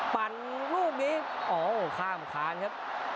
ปั่นลูกนี้อ๋อข้ามคานครับ